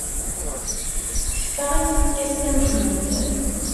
Teffeɣ i tfekka-s tamcumt.